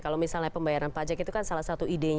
kalau misalnya pembayaran pajak itu kan salah satu idenya